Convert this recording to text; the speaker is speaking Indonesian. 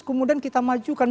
kemudian kita majukan